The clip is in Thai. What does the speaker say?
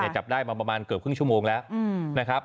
จับได้มาประมาณเกือบครึ่งชั่วโมงแล้วนะครับ